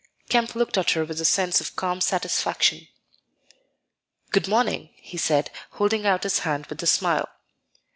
Kemp looked at her with a sense of calm satisfaction. "Good morning," he said, holding out his hand with a smile.